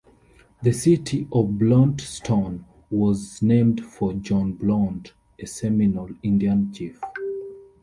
The City of Blountstown was named for John Blount, a Seminole Indian Chief.